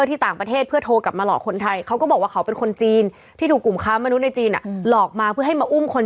ที่จีนอะหลอกมาอีกทีนึง